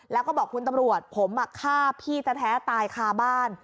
แล้วก็บอกคุณตำรวจผมฆ่าพี่แท้ตายคาบ้าน